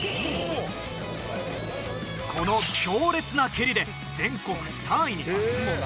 この強烈な蹴りで全国３位に。